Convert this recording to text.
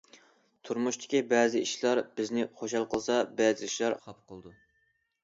تۇرمۇشتىكى بەزى ئىشلار بىزنى خۇشال قىلسا، بەزى ئىشلار خاپا قىلىدۇ.